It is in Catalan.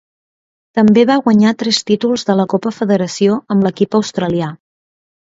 També va guanyar tres títols de la Copa Federació amb l'equip australià.